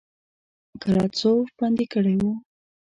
ګلادسوف بندي کړی وو.